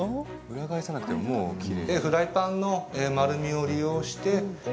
裏返さなくてももうきれい。